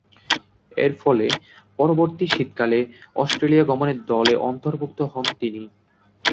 এরফলে, পরবর্তী শীতকালে অস্ট্রেলিয়া গমনে দলে অন্তর্ভুক্ত হন তিনি।